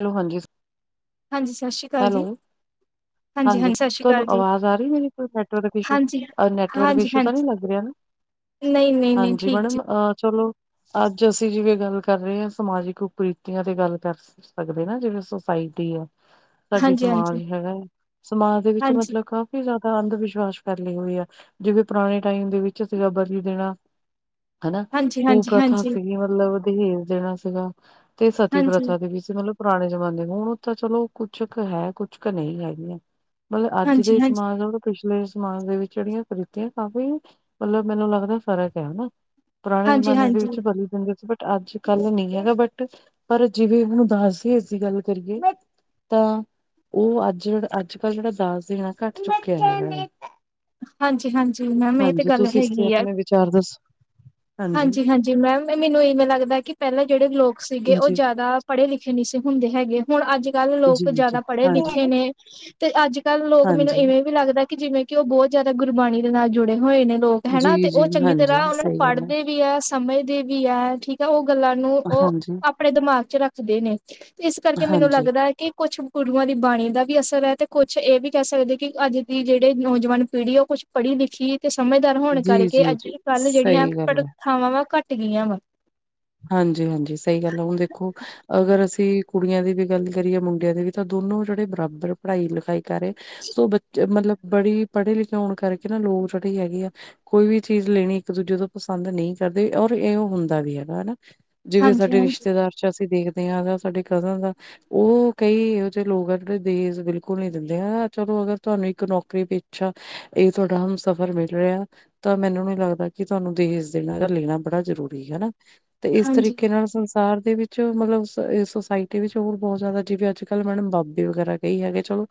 ਚਲੋ, ਹਾਂਜੀ। ਹਾਂਜੀ, ਸਸ਼ਿ ਸ਼੍ਰੀ ਕਾਲ ਹੈਲੋ ਜੀ। ਹਾਂਜੀ ਸਤਿ ਸ਼੍ਰੀ ਤੁਹਾਨੂੰ ਅਕਾਲ ਜੀ ਆਵਾਜ਼ ਆ ਰਹੀ ਮੇਰੀ, ਕੋਈ ਨੈਟਵਰਕ, ਇਸ਼ੂ ਹਾਂਜੀ ਨੈਟਵਰਕ ਹਾਂਜੀ ਇਸ਼ੂ ਤਾਂ ਨਹੀਂ ਹਾਂਜੀ ਲੱਗ ਰਹੀ ਨਾ? ਨਹੀਂ ਨਹੀਂ ਨਹੀਂ ਹਾਂਜੀ ਠੀਕ ਜੀ ਮੈਡਮ, ਆ ਚਲੋ। ਅੱਜ ਅਸੀਂ ਜਿਵੇਂ ਗੱਲ ਕਰ ਰਹੇ ਆ, ਸਮਾਜਿਕ ਕੁਰੀਤੀਆਂ ਤੇ ਗੱਲ ਕਰ। ਸਕਦੇ ਨਾ, ਜਿਹੜੀ ਸੁੋਸਾਇਟੀ ਆ। ਸਾਡੀ ਹਾਂਜੀ ਹਾਂਜੀ ਸਮਾਜ ਹੈਗਾ, ਸਮਾਜ ਦੇ ਵਿੱਚ ਹਾਂਜੀ ਮਤਲਬ ਕਾ ਕਿ ਜਾਦਾ ਅੰਧ -ਵਿਸ਼ਵਾਸ ਫੈਲੀ ਹੋਈ ਯੈ, ਜਿਵੇਂ ਪੁਰਾਣੇ ਟਾਈਮ ਦੇ ਵਿੱਚ ਸੀਗਾ, ਬਲੀ ਦੇਣਾ। ਉਨਾ ਹਾਂਜੀ ਓ ਹਾਂਜੀ ਠਾ ਥਾ ਹਾਂਜੀ ਫਿਨੀ ਬਸ ਮਤਲਬ ਕਿਨੀ [unintelligible] ਸੀਗਾ, ਤੇ ਸਤੀ ਹਾਂਜੀ ਪ੍ਰਥਾ ਦੇ ਵਿੱਚ ਮਤਲਬ। ਪੁਰਾਣੇ ਜਮਾਨੇ, ਹੁਣ ਤਾਂ ਚਲੋ ਕੁਛ ਕੁ ਹੈ ਕੁਛ ਕੁ ਨਹੀਂ ਹੈਗੀਆਂ। ਮਤਲਬ ਅੱਜ ਦੇ ਹਾਂਜੀ ਹਾਂਜੀ ਸਮਾਜ ਨਾਲੋਂ ਪਿਛਲੇ ਸਮਾਜ ਦੇ ਵਿੱਚ ਜਿਹੜੀਆਂ ਤਰਕੀਆਂ ਕਾਫ਼ੀ ਮਤਲਬ, ਮੈਨੂੰ ਲੱਗਦਾ ਫ਼ਰਕ ਹੈ। ਪੁਰਾਣੇ ਹਾਂਜੀ ਜਮਾਨੇ ਦੇ ਵਿੱਚ ਹਾਂਜੀ ਬਲੀ ਦਿੰਦੇ ਸੀ ਬ ਅੱਜ ਕੱਲ ਨਹੀਂ ਹੈਗਾ, ਬਟ ਪਰ ਜਿਵੇਂ ਹੁਣ ਦ ਹਸੀ- ਹਸੀ ਗੱਲ ਕਰੀਏ। ਤਾਂ, ਉਹ ਅੱਜ -ਅੱਜ ਕੱਲ੍ ਜਿਹੜਾ ਦਸ ਦਿਣਾ ਘੱਟ ਚੁੱਕਿਆ ਹੈਗਾ। ਹਾਂਜੀ -ਹਾਂਜੀ, ਮੈਮ ਇਹ ਤੇ ਹਾਂਜੀ ਗੱਲ ਤੁਸੀਂ ਇਸ ਤੇ ਹੈਗੀ ਐ। ਆਪਣੇ ਵਿਚਾਰ ਦੱਸੋ ਹਾਂਜੀ- ਹਾਂਜੀ। ਮੈਮ ਮੈਨੂੰ ਇਵੇਂ ਲੱਗਦਾ ਕਿ ਪਹਿਲਾਂ ਜਿਹੜੇ ਲੋਕ ਸੀਗੇ ਉਹ ਜੀ ਜਾਦਾ ਪੜੇ ਲਿਖੇ ਨਹੀਂ ਸੀ ਹੁੰਦੇ ਹੈਗੇ, ਹੁਣ ਅੱਜ- ਕੱਲ ਜੀ ਲੋਕ ਜੀ ਜਾਦਾ ਪੜੇ ਹਾਂਜੀ ਲਿਖੇ ਨੇ ਤੇ ਅੱਜ। ਕੱਲ ਲੋਕ ਮੈਨੂੰ ਹਾਂਜੀ ਇਵੇਂ ਵੀ ਲੱਗਦਾ, ਕਿ ਜਿਵੇਂ ਕਿ ਉਹ ਬਹੁਤ ਜਾਦਾ ਗੁਰਬਾਣੀ ਦੇ ਨਾਲ ਜੁੜੇ ਹੋਏ ਨੇ। ਲੋਕ ਜੀ ਹਨਾ ਤੇ ਉਹ ਜੀ ਚੰਗੀ ਤਰ੍ਹਾਂ ਹਾਂਜੀ ਉਹਨਾਂ ਨੂੰ ਸਹੀ ਗੱਲ ਪੜ੍ਦੇ ਵੀ ਹੈ, ਸਮਝਦੇ ਵੀ ਹੈ। ਠੀਕ ਉਹ ਗੱਲਾਂ ਨੂੰ ਉਹ ਹਾਂਜੀ ਆਪਣੇ ਦਿਮਾਗ ਚ ਰੱਖਦੇ ਨੇ, ਇਸ ਕਰਕੇ ਮੈਨੂੰ ਹਾਂਜੀ ਲੱਗਦਾ ਐ ਕਿ ਕੁਛ ਗੁਰੂਆਂ ਦੀ ਬਾਣੀ ਦਾ ਵੀ ਅਸਰ ਹੈ, ਤੇ ਕੁੱਛ ਏਹ ਵੀ ਕਹਿ ਸਕਦੇ ਕਿ ਅੱਜ ਦੀ ਜੇੜੇ ਨੌਜਵਾਨ ਪੀੜੀਓ ਕੁਛ ਪੜ੍ਹੀ -ਲਿਖੀ ਤੇ ਸਮਝਦਾਰ ਹੋਣ ਜੀ ਕਰਕੇ ਜੀ ਅੱਜ ਜੀ -ਕੱਲ ਜੇੜੀਆਂ ਸਹੀ ਗੱਲ ਹੈ। ਪਡ ਥਾ ਵਾਂਵਾਂ ਘੱਟ ਗਈਆਂ ਵਾ। ਹਾਂਜੀ -ਹਾਂਜੀ। ਸਹੀ ਗੱਲ ਹੈ, ਹੁਣ ਦੇਖੋ ਅਗਰ ਅਸੀ ਕੁੜੀਆਂ ਦੀ ਵੀ ਗੱਲ ਕਰੀਏ, ਮੁੰਡਿਆਂ ਦੀ ਵੀ, ਤਾਂ ਦੋਨੋ ਜੇੜੇ ਬਰਾਬਰ ਪੜਾਈ -ਲਿਖਾਈ ਕਰ ਰਹੇ ਸੋ ਬੱਚੇ, ਮਤਲਬ ਬੜੀ ਪੜੇ- ਲਿਖੇ ਹੋਣ ਕਰਕੇ ਨਾ, ਲੋਗ ਛੋਟੀ ਹੈਗੀ ਆ। ਕੋਈ ਵੀ ਚੀਜ਼ ਲੈਣੀ ਇੱਕ ਦੂਜੇ ਤੋਂ ਪਸੰਦ ਨਹੀਂ ਕਰਦੇ, ਔਰ ਏਹੋ ਹੁੰਦਾ ਵੀ ਹੈ। ਹਨਾ, ਜਿਵੇਂ ਹਾਂਜੀ ਸਾਡੇ ਹਾਂਜੀ ਰਿਸ਼ਤੇਦਾਰ ਚ ਅਸੀ ਦੇਖਦੇ ਆਂ, ਅਗ ਸਾਡੇ ਕਜ਼ਨ ਦਾ ਉਹ ਕਈ ਇਹੋ ਜਹੇ ਲੋਕ ਆ ਕ ਦਹੇਜ ਬਿਲਕੁਲ ਨਹੀਂ ਦਿੰਦੇ ਆ, ਚਲੋ ਅਗਰ ਤੁਹਾਨੂੰ ਇੱਕ ਨੌਕਰੀ ਪੇਛਾ ਏਹ ਤੁਹਾਡਾ ਹਮ ਸਫ਼ਰ ਮਿਲ ਰਯਾ ਤਾਂ ਮੈਨੂੰ ਵੀ ਲੱਗਦਾ ਕਿ ਤੁਹਾਨੂੰ ਦਹੇਜ ਦੇਣਾ ਯਾ ਲੇਣਾ ਬੜਾ ਜ਼ਰੂਰੀ ਐ ਹਨਾ। ਤੇ ਇਸ ਹਾਂਜੀ ਤਰੀਕੇ ਨਾਲ ਸੰਸ ਤੇ ਘਰ ਦੇ ਵਿੱਚ, ਮਤਲਬ ਸੋਸਾਇਟੀ ਵਿੱਚ ਹੋਰ ਬਹੁਤ ਜਾਦਾ ਜਿਵੇਂ ਅੱਜ -ਕੱਲ ਮੈਨ ਬਾਬੇ ਵਗੈਰਾ ਕਹੀ ਜਾਨਗੇ ਚਲੋ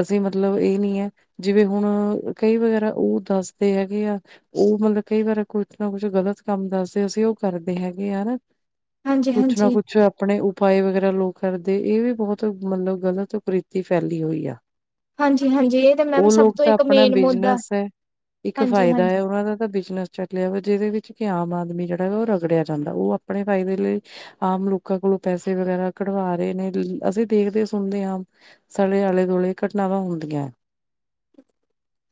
ਅਸੀ ਮਤਲਬ ਏਹ ਨੀ ਹੈ, ਜਿਵੇਂ ਹੁਣ ਕਈ ਵਗੈਰਾ ਉਹ ਦੱਸਦੇ ਹੈਗੇ ਆ। ਉਹ ਮਤਲਬ ਕਈ ਵਾਰ ਕੁਛ ਨਾ ਕੁਛ ਗ਼ਲਤ ਕੰਮ ਦੱਸਦੇ ਸੀ ਉਹ। ਕਰਦੇ ਹੈਗੇ ਆ ਨਾ, ਹਾਂਜੀ ਕੁਛ ਨਾ ਹਾਂਜੀ ਕੁਛ। ਆਪਣੇ ਉਪਾਯ ਵਗੈਰਾ ਲੋਕ ਕਰਦੇ ਇਹ ਵੀ ਬਹੁਤ ਮਤਲਬ, ਗਲਤ ਕਰੀਤੀ ਫੈਲੀ ਹੋਈ ਆ। ਹਾਂਜੀ ਹਾਂਜੀ ਇਹ ਤਾਂ ਮੈਮ ਉਹ ਸਭ ਲੋਕ ਤੋਂ ਤਾਂ ਇੱਕ ਆਪਣਾ ਮੇਨ ਮੁੱਦਾ ਬਿਜਨਸ ਹੈ। ਇੱਕ ਹਾਂਜੀ ਫਾਯਦਾ ਹਾਂਜੀ ਐ, ਉਨਾ ਦਾ ਤਾਂ ਬਿਜਨਸ ਚੱਲਆ ਵਾ ਜਿਦੇ ਵਿੱਚ ਕਿ ਆਮ ਆਦਮੀ ਜਾ। ਉਹ ਰਗੜਆ ਜਾਂਦਾ ਉਹ ਅਪਣੇ ਫਾਯਦੇ ਲਈ ਆਮ ਲੋਕਾਂ ਕੋਲੋਂ ਪੈਸੇ ਵਗੈਰਾ ਕਢਵਾ ਰੇ ਨੇ, ਅਸੀਂ ਦੇਖਦੇ ਸੁਣਦੇ ਆਂ। ਸਾਡੇ ਆਲੇ- ਦੁਆਲੇ ਘਟਨਾਵਾਂ ਹੁੰਦੀਐ।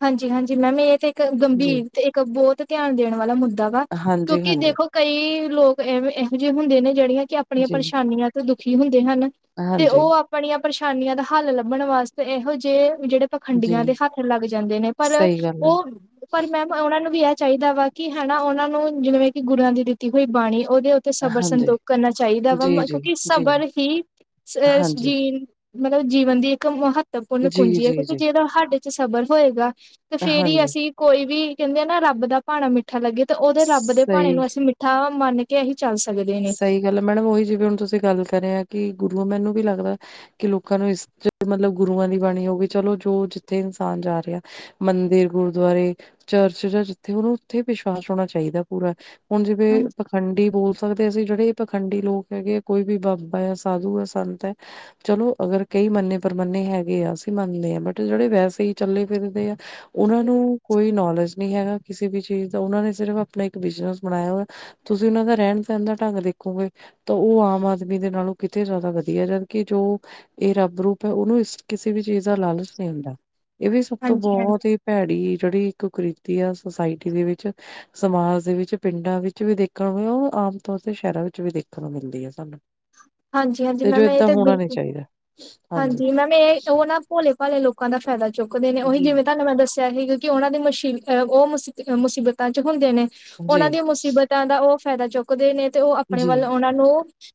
ਹਾਂਜੀ- ਹਾਂਜੀ, ਮੈਮ। ਇਹ ਤੇ ਇੱਕ ਜੀ ਗੰਭੀਰ ਤੇ ਇੱਕ ਬਹੁਤ ਧਿਆਨ ਦੇਣ ਵਾਲਾ ਮੁੱਦਾ ਵਾ। ਹਾਂਜੀ ਕਿਉਂਕਿ ਹਾਂਜੀ ਦੇਖੋ, ਕਈ ਲੋਕ ਏਹੋ- ਏਹੋ ਜਹੇ ਹੁੰਦੇ ਨੇ ਜੇਹੜੀਆਂ ਕਿ ਆਪਣੀਆਂ ਜੀ ਪਰੇਸ਼ਾਨੀਆਂ ਤੇ ਦੁਖੀ ਹੁੰਦੇ ਹਨ। ਹਾਂਜੀ। ਬਡਿਯਾ ਪਰੇਸ਼ਾਨੀਆਂ ਦਾ ਹੱਲ ਲੱਭਣ ਵਾਸਤੇ ਇਹੋ ਜੇ ਜੇਹੜੇ ਜੀ ਪਖੰਡੀਆਂ ਦੇ ਹੱਥ ਲੱਗ ਦੇ ਨੇ ਪਰ ਸਹੀ ਗੱਲ ਹੈ ਉਹ ਪਰ ਮੈਮ, ਉਨਾਂ ਨੂੰ ਵੀ ਏਹ ਚਾਈਦਾ ਵਾ ਕਿ ਹਨਾ ਉਨਾਂ ਨੂੰ ਜਿਵੇਂ ਕਿ ਗੁਰਾਂ ਦੀ ਦਿੱਤੀ ਹੋਈ ਬਾਣੀ, ਉਹਦੇ ਉ ਤੇ ਸਬਰ, ਹਾਂਜੀ ਸੰਤੋਖ ਕਰਨਾ ਚਾਹੀਦਾ ਵਾ, ਜੀ ਜੀ ਕਿਉਂਕਿ ਜੀ ਸਬਰ ਹੀ ਅ ਸ ਹਾਂਜੀ ਜੀ ਮਤਲਬ ਜੀਵਨ ਦੀ ਇੱਕ ਮਹੱਤਵਪੂਰਨ ਜੀ ਕੁੰਜੀ ਆ ਜੀ ਕਿਉਂਕੀ ਜੀ ਜੇੜਾ ਹਾਡੇ ਚ ਸਬਰ ਹੋਏਗਾ ਤੇ ਫੇਰ ਈ ਹਾਂਜੀ ਅਸੀਂ ਕੋਈ ਵੀ ਕੈਂਦੇ ਆ ਨਾ ਰੱਬ ਦਾ ਭਾਣਾ ਮਿੱ ਠਾ ਲੱਗੇ ਤੇ ਓਦੇ ਰੱਬ ਦੇ ਭਾਣੇ ਸਹੀ ਨੂੰ ਅਸੀਂ ਮਿੱਠਾ ਮੰਨ ਕੇ ਅਸੀਂ ਚੱਲ ਸਕਦੇ ਨੇ। ਸਹੀ ਗੱਲ ਮੈਡਮ ਓਹੀ ਜਿਵੇਂ ਹੁਣ ਤੁਸੀਂ ਗੱਲ ਕਰੇ ਐ ਕੀ ਗੁਰੂ ਮੈਨੂੰ ਵੀ ਲੱਗਦਾ ਕੀ ਲੋਕਾਂ ਨੂੰ ਇਸ ਮਤਲਬ ਗੁਰੂਆਂ ਦੀ ਬਾਣੀ ਹੋਗੀ ਚਲੋ ਜੋ ਜਿੱਥੇ ਇਨਸਾਨ ਜਾ ਰਿਆ ਮੰਦਿਰ, ਗੁਰਦੁਆਰੇ, ਚਰਚ ਜਾਂ ਜਿੱਥੇ ਉਨੂੰ ਉੱਥੇ ਈ ਵਿਸ਼ਵਾਸ ਹੋਣਾ ਚਾਈਦਾ ਪੂਰਾ ਹੁਣ ਜਿਵੇਂ ਹਾਂਜੀ ਪਖੰਡੀ [unintelligible] ਸਕਦੇ ਅਸੀ ਜੇੜੇ ਏ ਪਖੰਡੀ ਲੋਕ ਹੈਗੇ ਆ ਕੋਈ ਵੀ ਬਾਬਾ ਐ, ਸਾਧੂ ਆ, ਸੰਤ ਐ ਚਲੋ ਅਗਰ ਕਈ ਮੰਨੇ-ਪ੍ਰਮੰਨੇ ਹੈਗੇ ਆ ਅਸੀਂ ਮੰਨਦੇ ਆ ਬਟ ਜੇੜੇ ਵੈਸੇ ਈ ਚੱਲੇ ਫਿਰਦੇ ਆ ਓਨਾਂ ਨੂੰ ਕੋਈ ਨੌਲੇਜ ਨੀ ਹੈਗਾ ਕਿਸੇ ਵੀ ਚੀਜ਼ ਦਾ ਓਨਾਂ ਨੇ ਸਿਰਫ਼ ਆਪਣਾ ਇੱਕ ਬਿਜਨਸ ਬਣਾਇਆ ਹੋਯੈ ਤੁਸੀਂ ਉਨਾਂ ਦਾ ਰੈਣ [unintelligible] ਨ ਦਾ ਢੰਗ ਦੇਖੋਗੇ ਤਾਂ ਓ ਆਮ ਆਦਮੀ ਦੇ ਨਾਲੋਂ ਕਿਤੇ ਜਾਦਾ ਵਧੀਆ ਜਦਕੀ ਜੋ ਏ ਰੱਬ ਰੂਪ ਐ ਉਨੂੰ ਇਸ ਕਿਸੇ ਵੀ ਚੀਜ਼ ਦਾ ਲਾਲਚ ਨੀ ਹੁੰਦਾ, ਏ ਵੀ ਸਭ ਤੋਂ ਹਾਂਜੀ ਬੋਹਤ ਹੀ ਪੈੜੀ ਜੇੜੀ ਇੱਕ ਕ੍ਰਿਤੀ ਅ ਸੁਸਾਇਟੀ ਦੇ ਵਿੱਚ ਸਮਾਜ ਦੇ ਵਿੱਚ, ਪਿੰਡਾਂ ਵਿੱਚ ਵੀ ਦੇਖਣ ਓ ਆਮ ਤੌਰ ਤੇ ਸ਼ੈਰਾਂ ਵਿੱਚ ਵੀ ਦੇਖਣ ਨੂੰ ਮਿਲਦੀ ਆ ਸਾਨੂੰ। ਹਾਂਜੀ ਹਾਂਜੀ ਤੇ ਜੋ ਮੈਮ ਇਹ ਏਦਾਂ ਹੋਣਾ ਨੀ ਬਿਲਕੁਲ ਚਾਈਦਾ। ਹਾਂਜੀ, ਮੈਮ ਏ ਔਹ ਨਾ ਭੋਲੇ-ਭਾਲੇ ਲੋਕਾਂ ਦਾ ਫੈਦਾ ਚੁੱਕਦੇ ਨੇ ਓਹੀ ਜੀ ਜਿਵੇਂ ਤੁਹਾਨੂੰ ਮੈਂ ਦੱਸ [unintelligible] ਸੀ, ਕਿਉਂਕੀ ਓਨਾਂ ਦੀ ਮੁਸ਼ਹੀ ਔ ਮੁ ਮੁਸੀਬਤਾਂ ਚ ਹੁੰਦੇ ਨੇ ਜੀ ਓਨਾਂ ਦੀਆਂ ਮੁਸੀਬਤ ਤਾਂ ਦਾ ਔਹ ਫੈਦਾ ਚੁੱਕਦੇ ਨੇ ਤੇ ਓ ਆਪਣੇ ਜੀ ਵੱਲ ਔਨਾਂ ਨੂੰ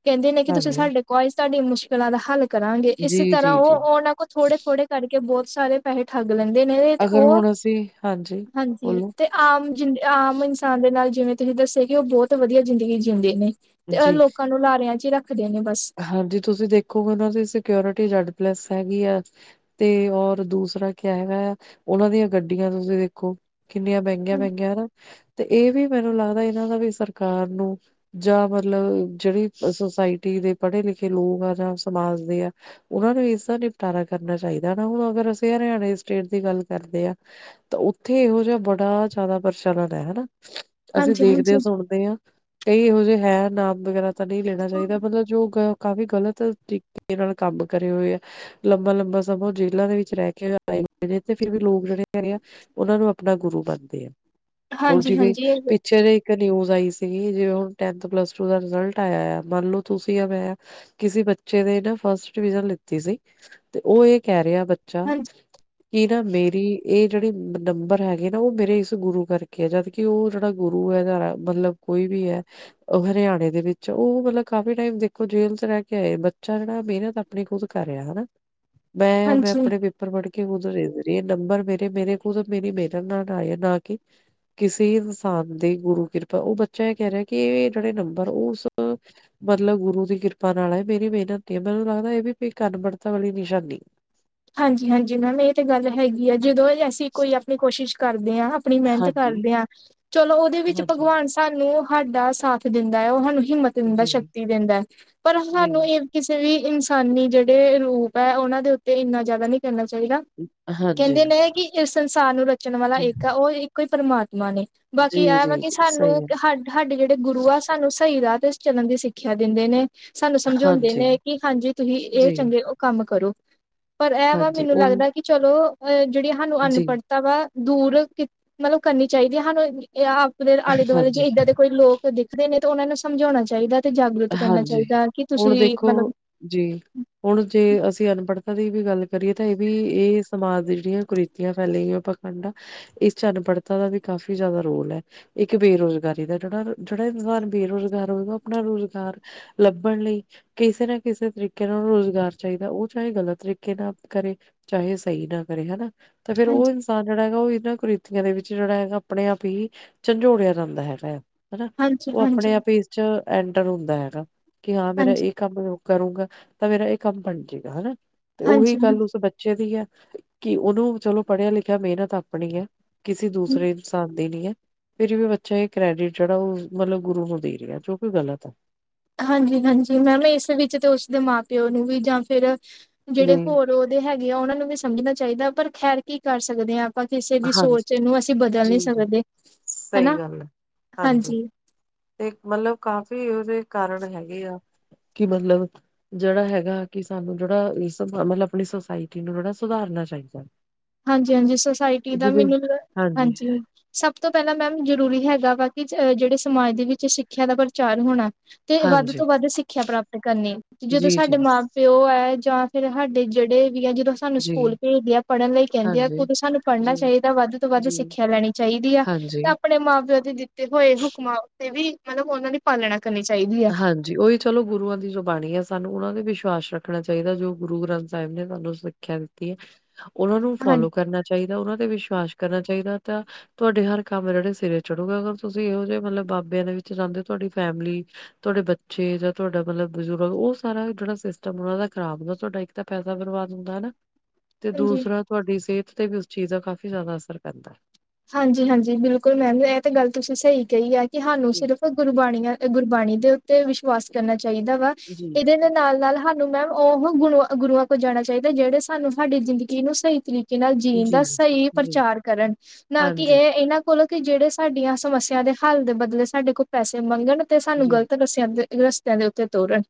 ਕੈਂਦੇ ਨੇ ਕੀ ਤੁਸੀਂ ਹਾਂਜੀ ਸਾਡੇ [unintelligible] ਤੁਹਾਡੀ ਮੁਸ਼ਕਿਲਾਂ ਦਾ ਹੱਲ ਕਰਾਂਗੇ ਇਸੇ ਜੀ ਤਰ੍ਹਾਂ ਜੀ ਔ ਜੀ ਔਨਾਂ ਕੋਲ ਥੋੜੇ-ਥੋੜੇ ਕਰਕੇ ਬੋਤ ਸਾਰੇ ਪੈਹੇ ਠੱਗ ਲੈਂਦੇ ਨੇ ਤੇ ਅਗਰ ਔ, ਹੁਣ ਅਸੀਂ ਹਾਂਜੀ ਹਾਂਜੀ ਬੋਲੋ ਤੇ ਆਮ ਜਿੰਦ ਆਮ ਇਨਸਾਨ ਦੇ ਨਾਲ ਜਿਵੇਂ ਤੁਸੀਂ ਦੱਸਿਆ ਕੀ ਔਹ ਬੋਤ ਵਧੀਆ ਜ਼ਿੰਦਗੀ ਜਿਉਂਦੇ ਨੇ। ਤੇ ਔ ਜੀ ਲੋਕਾਂ ਨੂੰ ਲਾਰਿਆਂ ਚ ਈ ਰੱਖਦੇ ਨੇ ਬਸ। ਹਾਂਜੀ ਤੁਸੀਂ ਦੇਖੋਗੇ ਔਨਾਂ ਦੀ ਸਕੇਓਰਿਟੀ ਜੈਡ ਪਲੱਸ ਹੈਗੀ ਆ ਤੇ ਔਰ ਦੂਸਰਾ ਕਿਆ ਹੈਗਾ ਆ ਓਨਾਂ ਦੀਆਂ ਗੱਡੀਆਂ ਤੁਸੀਂ ਦੇਖੋ ਕਿੰਨੀਆਂ ਮੈੰ ਗੀਆਂ-ਮੈਂਗੀਆਂ ਹਨਾ ਤੇ ਏ ਵੀ ਮੈਨੂੰ ਲੱਗਦਾ ਇਨਾਂ ਦਾ ਵੀ ਸਰਕਾਰ ਨੂੰ ਜਾਂ ਮਤਲਬ ਜੇੜੀ ਸੁਸਾਇਟੀ ਦੇ ਪੜ੍ਹੇ-ਲਿਖੇ ਲੋਗ ਆ ਜਾਂ ਸਮਾਜ ਦੇ ਆ ਔਨਾਂ ਨੂੰ ਇਸਦਾ ਨਿਪਟਾਰਾ ਕਰਨਾ ਚਾਈਦਾ ਨਾ ਹੁਣ ਅਗਰ ਅਸੀਂ ਹਰਿਆਣੇ ਸਟੇਟ ਦੀ ਗੱਲ ਕਰਦੇ ਆ ਤਾਂ ਉੱਥੇ ਏਹੋ ਜਾ ਬੜਾ ਜਾਦਾ ਪ੍ਰਚਲਨ ਐ ਹਨਾ? ਅਸੀਂ ਹਾਂਜੀ ਦੇਖਦੇ, ਹਾਂਜੀ। ਸੁਣਦੇ ਆ ਕਈ ਏਹੋ ਜੇ ਹੈ ਨਾਮ ਵਗੈਰਾ ਤਾਂ ਨਈ ਲੈਣਾ ਚਾਈਦਾ ਮਤਲਬ ਕ ਕਾਫੀ ਗ਼ਲਤ ਤਰੀਕੇ ਨਾਲ ਕੰਮ ਕਰੇ ਹੋਏ ਆ ਲੰਬਾ, ਲੰਬਾ ਸਮਾਂ ਓ ਜੇਲਾਂ ਦੇ ਵਿੱਚ ਰੈ ਕੇ ਆਏ ਹੋਏ ਨੇ ਤੇ ਫਿਰ ਵੀ ਲੋਕ ਜੇੜੇ ਹੈਗੇ ਆ ਓਨਾਂ ਨੂੰ ਆਪਣਾ ਗੁਰੂ ਮੰਨਦੇ ਆ ਉਂਜ ਹਾਂਜੀ ਵੀ ਹਾਂਜੀ ਪੀ ਛੇ ਇੱਕ ਨਿਊਜ਼ ਆਈ ਸੀਗੀ ਜਿਵੇਂ ਹੁਣ ਟੈੰਨਥ, ਪਲੱਸ ਟੂ ਦਾ ਰਿਜਲਟ ਆਇਆ ਆ ਮੰਨ ਲੋ ਤੁਸੀਂ ਆ ਮੈਂ ਕਿਸੇ ਬੱਚੇ ਦੇ ਨਾ ਫਸਟ ਡਿਵੀਜ਼ਨ ਲਿੱਤੀ ਸੀ ਤੇ ਔ ਏ ਕੈ ਰਿਆ ਬੱਚਾ ਹਾਂਜੀ ਕੀ ਨਾ ਮੇਰੀ ਏ ਜੇੜੀ ਨੰਬਰ ਹੈਗੇ ਨਾ ਓ ਮੇਰੇ ਇਸ ਗੁਰੂ ਕਰਕੇ ਆ ਜਦ ਕੀ ਓ ਜੇੜਾ ਗੁਰੂ ਐਦਾ ਰ ਮਤਲਬ ਕੋਈ ਵੀ ਐ ਓ ਹਰਿਆਣੇ ਦੇ ਵਿੱਚ ਓ ਮਤਲਬ ਕਾਫ਼ੀ ਟਾਈਮ ਦੇਖੋ ਜੇਲ੍ਹ ਚ ਰੈ ਕੇ ਆਏ ਬੱਚਾ ਜੇੜਾ ਮਿਹਨਤ ਆਪਣੀ ਖੁਦ ਕਰ ਰਿਆ ਹਨਾ। ਮੈਂ ਆ ਮੈਂ ਹਾਂਜੀ। ਆਪਣੇ ਪੇਪ ਪਰ ਵੜ ਕੇ ਉਧਰ [unintelligible] ਨੰਬਰ ਮੇਰੇ-ਮੇਰੇ ਖੁਦ ਮੇਰੀ ਮਿਹਨਤ ਨਾਲ ਆਇਆ ਨਾ ਕੀ ਕਿਸੀ ਇਨਸਾਨ ਦੀ ਗੁਰੂ ਕਿਰਪਾ ਓ ਬੱਚਾ ਏ ਕੈ ਰਿਆ ਕੀ ਏ ਜੇੜੇ ਨੰਬਰ ਓ ਉਸ ਮਤਲਬ ਗੁਰੂ ਦੀ ਕਿਰਪਾ ਨਾਲ ਐ ਮੇਰੀ ਮਿਹਨਤ ਨੀ ਐ ਮੈਨੂੰ ਲੱਗਦਾ ਏ ਵੀ [unintelligible] ਅਨਬੜਤਾ ਵਾਲੀ ਨਿਸ਼ਾਨੀ ਹਾਂਜੀ-ਹਾਂਜੀ ਮੈਮ ਏ ਤੇ ਗੱਲ ਹੈਗੀ ਆ ਜਦੋਂ [unintelligible] ਕੋਈ ਆਪਣੀ ਕੋਸ਼ਿਸ਼ ਕਰਦੇ ਆ, ਆਪਣੀ ਮਿਹਨਤ ਹਾਂਜੀ, ਕਰਦੇ ਆ ਚਲੋ ਓਦੇ ਵਿੱਚ ਹਾਂਜੀ, ਭਗਵਾਨ ਹਾਨੂੰ ਹਾਡਾ ਸਾਥ ਦਿੰਦਾ ਓ ਹਾਨੂੰ ਹਿੰਮਤ ਦਿੰਦਾ, ਜੀ, ਸ਼ਕਤੀ ਦਿੰਦਾ ਪਰ ਜੀ। ਹਾਨੂੰ ਏ- ਕਿਸੇ ਵੀ ਇਨਸਾਨੀ ਜੇੜੇ ਰੂਪ ਐ ਓਨਾਂ ਦੇ ਉੱਤੇ ਏਨਾ ਜਾਦਾ ਨੀ ਕਰਨਾ ਚਾਇਦਾ ਕਿ ਹਾਂਜੀ, ਕੇਂਦੇ ਨੇ ਕਿ ਇਸ ਸੰਸਾਰ ਨੂੰ ਰਚਣ ਵਾਲਾ ਜੀ, ਇੱਕ ਆ ਓ ਇੱਕੋ ਈ ਪਰਮਾਤਮਾ ਨੇ। ਬਾਕੀ ਜੀ, ਆ ਵਾ ਜੀ, ਕੇ ਜੀ, ਸਾਨੂੰ ਸਹੀ ਗੱਲ, ਸਾਡੇ, ਸਾਡੇ ਜੇੜੇ ਗੁਰੂ ਆ ਸਾਨੂੰ ਸਈ ਰਾਹ ਤੇ ਚੱਲਨ ਦੀ ਸਿੱਖਿਆ ਦਿੰਦੇ ਨੇ, ਸਾਨੂੰ ਹੈ। ਸਮਜਾਓਦੇ ਹਾਂਜੀ, ਨੇ ਕਿ ਹਾਂਜੀ ਤੁਸੀਂ ਏ ਜੀ, ਚੰਗੇ ਓ ਕੰਮ ਕਰੋ। ਪਰ ਐ ਵਾ ਹਾਂਜੀ, ਮੈਨੂੰ ਉਹੀ ਲੱਗਦਾ ਕਿ ਚਲੋ ਐ ਜੇੜੀ ਹਾਨੂੰ ਜੀ, ਅਨਪੜ ਤਵਾ ਦੂਰ ਕਿ ਮਤਲਬ ਕਰਨੀ ਚਾਈਦੀ ਏ। ਹਾਨੂੰ ਅਪਣੇ ਆਲੇ-ਦੁਆਲੇ ਜੇ ਹਾਂਜੀ। ਏਦਾਂ ਦੇ ਕੋਈ ਲੋਕ ਦਿਖਦੇ ਨੇ ਤਾਂ ਓਨਾਂ ਨੂੰ ਸਮਝਓਣਾ ਚਾਈਦੈ ਤੇ ਜਾਗਰੂਤ ਕਰਨਾ ਹਾਂਜੀ, ਚਾਈਦਾ, ਕਿ ਹੁਣ ਤੁਸੀਂ ਦੇਖੋ ਮਤਲਬ ਜੀ, ਹੁਣ ਜੇ ਅਸੀਂ ਅਨਪੜ੍ਹਤਾ ਦੀ ਵੀ ਗੱਲ ਕਰੀਏ ਤੇ ਏ ਵੀ ਏ ਸਮਾਜ ਦੀ ਜੇੜੀਆਂ ਕੁਰਿਤੀ ਆਂ ਫੈਲੀਆਂ ਪਖੰਡ ਆ। ਇਸ ਚ ਅਨਪੜ੍ਹਤਾ ਦਾ ਵੀ ਕਾਫ਼ੀ ਜਾਦਾ ਰੋਲ ਐ। ਇੱਕ ਬੇਰੋਜ਼ਗਾਰੀ ਦਾ ਜੇੜਾ-ਜੇੜਾ ਇਨਸਾਨ ਬੇਰੋਜਗਾਰ ਹੋਵੇਗਾ ਓ ਆਪਣਾ ਰੋਜ਼ ਗਾਰ ਲੱਭਣ ਲਈ ਕਿਸੇ ਨਾ ਕਿਸੇ ਤਰੀਕੇ ਨਾਲ ਓਨੂੰ ਰੋਜ਼ਗਾਰ ਚਾਈਦੈ ਓ ਚਾਏ ਗ਼ਲਤ ਤਰੀਕੇ ਨਾਲ ਕਰੇ ਚਾਹੇ ਸਈ ਨਾ ਕਰੇ, ਹੈਨਾ। ਤਾਂ ਫੇਰ ਓ ਹਾਂਜੀ ਇਨਸਾਨ ਜੇੜਾ ਹੈਗਾ ਓ ਏਨਾਂ ਕੁ੍ਰਿਤੀਆਂ ਦੇ ਵਿੱਚ ਜੇੜਾ ਹੈਗਾ ਅਪਣੇ ਆਪ ਈ ਝੰਜੋੜਿਆ ਜਾਂਦਾ ਹੈਗਾ ਆ। ਹੈਨਾ, ਹਾਂਜੀ ਓ ਹਾਂਜੀ ਅਪਣੇ ਆਪ ਇਸ ਚ ਐਂਟਰ ਹੁੰਦਾ ਹੈਗਾ ਕਿ ਹਾਂ ਮੇਰਾ ਹਾਂਜੀ ਏ ਕੰਮ ਰੁ ਕਰੂੰਗਾ, ਤਾਂ ਮੇਰਾ ਏ ਕੰਮ ਬਣ ਜੇਗਾ, ਹੈਨਾ ਤੇ ਓ ਵੀ ਹਾਂਜੀ ਕਲ ਉਸ ਹਾਂਜੀ ਬੱਚੇ ਬੱਚੇ ਦੀ ਐ, ਕਿ ਓਨੂੰ ਚਲੋ ਪੜ੍ਹਿਆ-ਲਿਖਿਆ ਮੇਨਤ ਆਪਣੀ ਐ। ਕਿਸੇ ਦੂਸਰੇ ਇਨਸਾਨ ਦੀ ਨੀ ਐ। ਫਿਰ ਵੀ ਬੱਚਾ ਏ ਕ੍ਰੈਡਿਟ ਜੇੜਾ ਓ ਮਤਲਬ ਗੁਰੂ ਨੂੰ ਦੇ ਰੇਆ ਜੋ ਕੀ ਗ਼ਲਤ ਐ। ਹਾਂਜੀ-ਹਾਂਜੀ, ਮੈਮ ਏਸ ਵਿੱਚ ਤੇ ਓਸਦੇ ਮਾਂ-ਪਿਓ ਨੂੰ ਵੀ ਜਾਂ ਫੇਰ ਜੇੜੇ ਜੀ। ਹੋਰ ਲੋ ਦੇ ਹੈਗੇ ਆ ਓਨਾਂ ਨੂੰ ਵੀ ਸਮਝਣਾ ਚਾਈਦੈ ਪਰ ਖੈਰ ਕੀ ਕਰ ਸਕਦੇ ਆ। ਆਪਾਂ ਕਿਸੇ ਦੀ ਹਾਂਜੀ ਸੋਚ ਨੂੰ ਅਸੀਂ ਬਦਲ ਜੀ ਨੀ ਜੀ ਸਕਦੇ। ਸਹੀ ਹੈਨਾ, ਗੱਲ ਹੈ। ਹਾਂਜੀ। ਤੇ ਮਤਲਬ ਕਾਫ਼ੀ ਓਦੇ ਕਾਰਣ ਹੈਗੇ ਆ ਕਿ ਮਤਲਬ ਜੇੜਾ ਹੈਗਾ ਕਿ ਸਾਨੂੰ ਜੇੜਾ ਇਸ ਮਤਲਬ ਆਪਣੀ ਸੋਸਾਇਟੀ ਨੂੰ ਥੋੜਾ ਸੁਧਾਰਨਾ ਚਾਈਦੈ। ਹਾਂਜੀ-ਹਾਂਜੀ, ਸੋਸਾਇਟੀ ਦਾ ਵੀ ਨੀ ਮਤਲਬ, ਹਾਂਜੀ ਸਭ ਤੋਂ ਪੈਲਾਂ ਮੈਮ ਜ਼ਰੂਰੀ ਹੈਗਾ ਵਾ ਕਿ ਜ-ਜੇੜੇ ਸਮਾਜ ਦੇ ਵਿੱਚ ਸਿੱਖਿਆ ਦਾ ਪ੍ਰਚਾਰ ਹੋਣਾ। ਤੇ ਵੱਧ ਹਾਂਜੀ ਤੋਂ ਵੱਧ ਸਿੱਖਿਆ ਪ੍ਰਾਪਤ ਕਰਨੀ, ਜਦੋਂ ਜੀ ਸਾਡੇ ਜੀ ਮਾਂ-ਪ ਪਿਓ ਐ ਜਾਂ ਫੇਰ ਹਾਡੇ ਜੇੜੇ ਵੀ ਐ ਜਦੋਂ ਸਾਨੂੰ ਜੀ। ਸਕੂਲ ਪੇਜਦੇ ਆ ਪੜ੍ਹਨ ਲਈ ਕੈਂਦੇ ਆ ਕਿ਼ ਹਾਂਜੀ। ਓਦੋਂ ਸਾਨੂੰ ਪੜ੍ਹਨਾ ਜੀ, ਚਾਇਦਾ, ਵੱਧ ਤੋਂ ਵੱਧ ਜੀ। ਸਿੱਖਿਆ ਲੈਣੀ ਚਾਇਦੀ ਆ ਹਾਂਜੀ, ਤਾਂ ਆਪਣੇ ਮਾਂ-ਪਿਓ ਦੇ ਦਿੱਤੇ ਹੋਏ ਹੁਕਮਾਂ ਉਤੇ ਵੀ ਮਲਬ ਓਨਾਂ ਦੀ ਪਾਲਣਾ ਕਰਨੀ ਚਾਈਦੀ ਐ। ਜੀ ਓਈ ਚਲੋ ਗੁਰੂਆਂ ਦੀ ਜੋ ਬਾਣੀ ਐ, ਸਾਨੂੰ ਓਨਾਂ ਤੇ ਵਿਸ਼ਵਾਸ ਰੱਖਣਾ ਚਾਇਦਾ। ਜੋ ਗੁਰੂ ਗ੍ਰੰਥ ਸਾਹਿਬ ਨੇ ਸਾਨੂੰ ਸਿੱ ਖਿਆ ਦਿੱਤੀ ਐ, ਓਨਾਂ ਨੂੰ ਫੋਲੋ ਕਰਨਾ ਚਾਇਦਾ, ਓਨਾਂ ਤੇ ਵਿਸ਼ਵਾਸ ਕਰਨਾ ਚਾਹੀਦਾ, ਤਾਂ ਤੁਹਾ ਨੂੰਡੇ ਹਰ ਕੰਮ ਜੇੜੇ ਸਿਰੇ ਚੜੂਗਾ। ਅਗਰ ਤੁਸੀਂ ਇਹੋ ਜਿਹੇ ਮਲਬ ਬਾਬਿਆਂ ਦੇ ਵਿੱਚ ਜਾਂਦੇ ਔ, ਤੁਆਡੀ ਫੈਮਿਲੀ ਤੁਆਡੇ ਬੱਚੇ ਜਾਂ ਤੁਆਡਾ ਮਲਬ ਬਜ਼ੁਰਗ, ਓ ਸਾਰਾ ਜੇੜਾ ਸਿਸਟਮ ਓਨਾਂ ਦਾ ਖਰਾਬ ਹੁੰਦਾ ਤੁਹਾਡਾ ਇੱਕ ਤਾਂ ਫੈਦਾ ਕਰਵਾ ਦਿੰਦਾ ਨਾ ਤੇ ਹਾਂਜੀ-ਹਾਂਜੀ। ਦੂਸਰਾ ਤੁਆਡੀ ਸੇਤ ਤੇ ਵੀ ਓਸ ਚੀਜ਼ ਦਾ ਕਾਫ਼ੀ ਜਾਦਾ ਅਸਰ ਪੈਂਦਾ। ਹਾਂਜੀ-ਹਾਂਜੀ ਬਿਲਕੁਲ ਮੈਮ, ਐ ਤੇ ਗੱਲ ਤੁਸੀਂ ਸਈ ਕਈ ਐ ਕਿ ਹਾਨੂੰ ਜੀ, ਸਿਰਫ ਗੁਰਬਾਣੀਆਂ ਅ-ਗੁਰਬਾਣੀ ਦੇ ਉੱਤੇ ਵਿਸ਼ਵਾਸ ਕਰਨਾ ਚਾਇਦਾ ਵਾ, ਜੀ, ਏਦੇ ਦੇ ਨਾਲ-ਨਾਲ ਹਾ ਨੂੰ ਮੈਮ ਓਹ ਗੁਣੁਆ-ਗੁਰੂਆਂ ਕੋਲ ਜਾਣਾ ਚਾਇਦਾ ਜੇੜੇ ਸਾਨੂੰ, ਸਾਡੀ ਜ਼ਿੰਦਗੀ ਨੂੰ ਸਈ ਤਰੀਕ ਕੇ ਨਾਲ ਜੀਣ ਦਾ ਜੀ, ਸਈ ਜੀ। ਪ੍ਰਚਾਰ ਕਰਨ, ਨਾ ਕਿ ਹਾਂਜੀ। ਏ ਏਨਾਂ ਕੋਲੋਂ ਕਿ ਜੇੜੇ ਸਾਡੀਆਂ ਸਮੱਸਿਆ ਦੇ ਹੱਲ ਦੇ ਬਦਲੇ ਸਾਡੇ ਕੋ ਪੈਸੇ ਮੰਗਣ ਤੇ ਸਾਨੂੰ ਜੀ। ਗ਼ਲਤ ਰਸਿਆਂ ਤੇ, ਰਸਤਿਆਂ ਦੇ ਉੱਤੇ ਤੋਰਨ।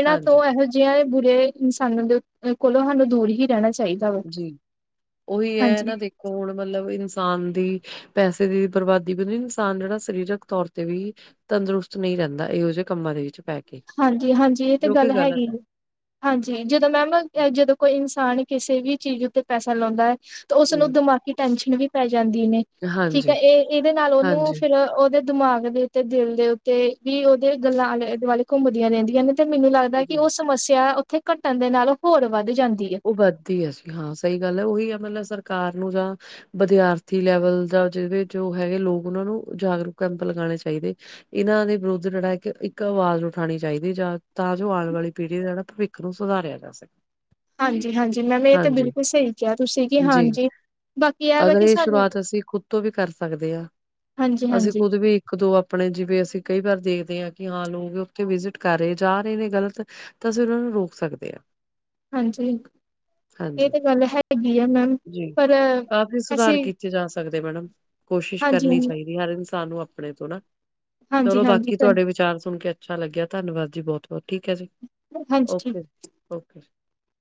ਏਨਾਂ ਹਾਂਜੀ, ਤੋਂ ਐਹੋ ਜੇ ਜਿਆਂ ਬੁਰੇ ਇਨਸਾਨਾਂ ਦੇ ਉੱਤ-ਅ-ਕੋਲੋਂ ਹਾਨੂੰ ਦੂਰ ਹੀ ਰੈਣਾ ਚਾਇਦ ਜੀ ਓਈ ਐ, ਨਾ ਦੇਖੋ ਹੁਣ ਮਲਬ ਇਨਸਾਨ ਦੀ ਪੈਸੇ ਦੀ ਵੀ ਬਰਬਾਦੀ ਪਤਾ ਇਨਸਾਨ ਜੇੜਾ ਸਰੀਰਕ ਤੌਰ ਤੇ ਵੀ ਤੰਦਰੁਸਤ ਨਈਂ ਰਹਿਦਾ ਇਹੋ ਜੇ ਕੰਮਾਂ ਦੇ ਵਿੱਚ ਪੈ ਕੇ। ਹਾਂਜੀ-ਹਾਂਜੀ! ਏ ਤੇ ਜੋ ਕਿ ਗੱਲ ਹੈਗੀ ਗ਼ਲਤ ਹੈ। ਜੇ। ਹਾਂਜੀ! ਜਦੋਂ ਮੈਮ, ਜਦੋਂ ਕੋਈ ਇਨਸਾਨ ਕਿਸੇ ਵੀ ਚੀਜ਼ ਉੱਤੇ ਪੈਸਾ ਲਾਉਂਦਾ ਐ ਤੇ ਜੀ, ਓਸਨੂੰ ਦਿਮਾਗੀ ਟੈਨਸ਼ਨ ਵੀ ਪੈ ਜਾਂਦੀ ਨੇ, ਠੀਕ ਐ। ਹਾਂਜੀ, ਏ ਏਦੇ ਨਾਲ ਉਹਨੂੰ ਹਾਂਜੀ, ਫਿਰ ਓਦੇ ਦਿਮਾਗ ਦੇ ਉੱਤੇ, ਦਿਲ ਦੇ ਉੱਤੇ ਵੀ ਉਹਦੇ ਗੱਲਾਂ ਆਲੇ-ਦੁਆਲੇ ਘੁੰਮਦੀਆਂ ਰਹਿੰਦੀਆਂ ਨੇ। ਤੇ ਮੈਨੂੰ ਲੱਗਦਾ ਕਿ ਜੀ ਉਹ ਸਮੱਸਿਆ ਉੱਥੇ ਘਟਣ ਦੇ ਨਾਲੋਂ ਹੋਰ ਵੱਧ ਜਾਂਦੀ ਐ। ਉਹ ਵੱਧਦੀ ਹੈ, ਹਾਂ! ਸਈ ਗੱਲ ਐ। ਓਹੀ ਆਪਣਾ ਸਰਕਾਰ ਨੂੰ ਜਾਂ ਵਿਦਿਆਰਥੀ ਲੈਵਲ ਦਾ ਜਿਦੇ ਚ ਓ ਹੈਗੇ ਲੋਕ, ਓਨਾਂ ਨੂੰ ਜਾਗਰੂਕ ਕੈਂਪ ਲਗਾਣੇ ਚਾਹੀਦੇ। ਇਹਨਾਂ ਦੇ ਵਿਰੁੱਧ ਜਿਹੜਾ ਇੱਕ ਆਵਾਜ਼ ਉਠਾਉਣੀ ਚਾਹੀਦੀ ਹੈ ਜਾ ਤਾਂ ਜੋ ਆਉਣ ਵਾਲੀ ਪੀੜ੍ਹੀ ਦਾ ਜਿਹੜਾ ਭਵਿੱਖ ਉਨੂੰ ਸੁਧਾਰਿਆ ਜਾ ਸਕੇ। ਹਾਂਜੀ ਹਾਂਜੀ ਮੈਮ ਇਹ ਤਾਂ ਹਾਂਜੀ, ਬਿਲਕੁਲ ਸਹੀ ਕਿਹਾ ਤੁਸੀਂ ਕਿ ਜੀ। ਹਾਂਜੀ। ਬਾਕੀ ਵਾ ਅਗਰ ਕਿ ਇਹ ਸਾਨੂੰ ਸ਼ੁਰੂਆਤ ਅਸੀਂ ਖੁਦ ਤੋਂ ਵੀ ਕਰ ਸਕਦੇ ਹਾਂ ਅਸੀਂ ਹਾਂਜੀ-ਹਾਂਜੀ, ਖੁਦ ਵੀ ਕਦੋ ਆਪਣੇ ਜਿਵੇਂ ਅਸੀਂ ਕਈ ਵਾਰ ਦੇਖਦੇ ਹਾਂ ਕਿ ਹਾਂ ਲੋਕ ਉੱਥੇ ਵਿਜਿਟ ਕਰ ਰਹੇ ਜਾ ਰਹੇ ਨੇ ਗ਼ਲਤ ਤਾਂ ਅਸੀਂ ਉਹਨਾਂ ਨੂੰ ਰੋਕ ਸਕਦੇ ਹਾਂ‌‌। ਹਾਂਜੀ। ਇਹ ਹਾਂਜੀ ਤਾਂ ਗੱਲ ਹੈਗੀ ਆ ਮੈਮ ਜੀ ਪਰ ਕਾਫ਼ੀ ਸੁਧਾਰ ਅਸੀਂ ਕੀਤੇ ਜਾ ਸਕਦੇ ਮੈਡਮ‌। ਕੋਸ਼ਿਸ਼ ਹਾਂਜੀ, ਕਰਨੀ ਹਾਂਜੀ, ਚਾਹੀਦੀ ਹਰ ਇਨਸਾਨ ਨੂੰ ਆਪ ਆਪਣੇ ਤੋਂ ਨਾ ਹਾਂਜੀ, ਚਲੋ ਹਾਂਜੀ, ਬਾਕੀ ਤੁਹਾਡੇ ਵਿਚਾਰ ਸੁਣ ਕੇ ਅੱਛਾ ਲੱਗਿਆ ਧੰਨਵਾਦ ਜੀ ਬਹੁਤ ਬਹੁਤ ਠੀਕ ਹੈ ਜੀ। ਹਾਂਜੀ ਠੀਕ। Okay okay.